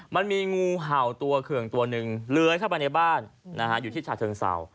มันมีงูเห่าตัวเคืองตัวหนึ่งเลื้อยเข้าไปในบ้านอยู่ที่ชาเชิงเศร้า